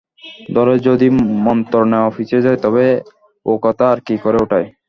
ধরে যদি মন্তর নেওয়া পিছিয়ে যায়, তবে ওকথা আর কি করে ওঠাই?